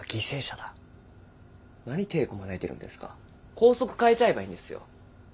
校則変えちゃえばいいんですよ。